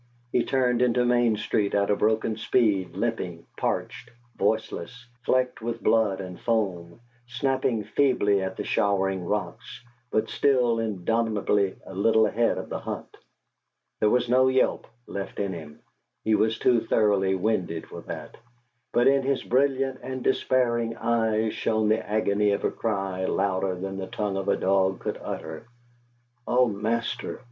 He turned into Main Street at a broken speed, limping, parched, voiceless, flecked with blood and foam, snapping feebly at the showering rocks, but still indomitably a little ahead of the hunt. There was no yelp left in him he was too thoroughly winded for that, but in his brilliant and despairing eyes shone the agony of a cry louder than the tongue of a dog could utter: "O master!